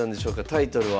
タイトルは。